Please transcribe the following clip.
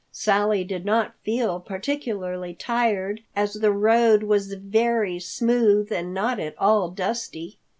Sally did not feel particularly tired, as the road was very smooth and not at all dusty.